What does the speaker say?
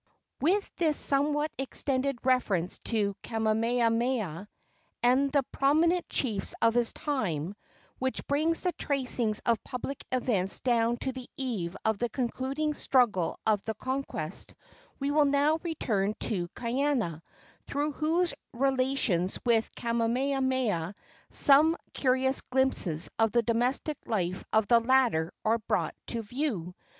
With this somewhat extended reference to Kamehameha and the prominent chiefs of his time, which brings the tracings of public events down to the eve of the concluding struggle of the conquest, we will now return to Kaiana, through whose relations with Kamehameha some curious glimpses of the domestic life of the latter are brought to view.